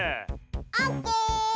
オッケー！